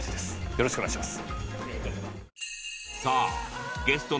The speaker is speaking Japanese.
よろしくお願いします。